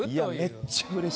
めっちゃうれしい。